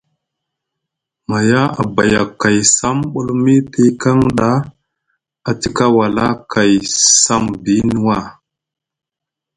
Maya a baya kay sam bulmi te yikaŋ ɗa a tika wala kay sam biini wa.